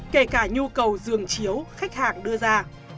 kể cả nhu cầu dường chiếu khách hàng đưa ra